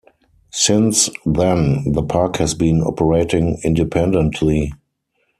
Since then, the park has been operating independently.